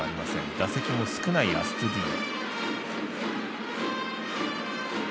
打席も少ない、アストゥディーヨ。